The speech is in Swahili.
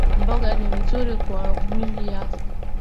Mboga ni nzuri kwa mwili yako